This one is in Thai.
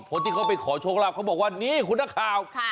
คนที่เขาไปขอโชคลาภเขาบอกว่านี่คุณนักข่าว